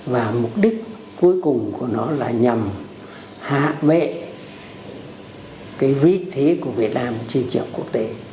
và mục đích cuối cùng của nó là nhằm hạ vệ cái vị thế của việt nam trên trường quốc tế